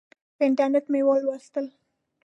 په انټرنیټ کې مې ولوستل.